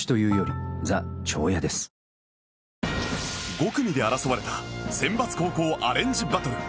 ５組で争われたセンバツ高校アレンジバトル